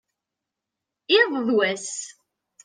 iḍ d wass